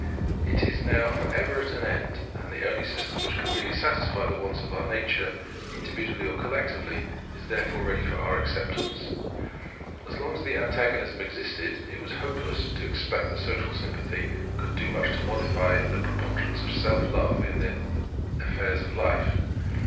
It is now for ever at an end; and the only system which can really satisfy the wants of our nature, individually or collectively, is therefore ready for our acceptance. As long as the antagonism existed, it was hopeless to expect that Social Sympathy could do much to modify the preponderance of self love in the affairs of life.